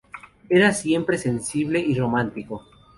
Era siempre sensible y romántico.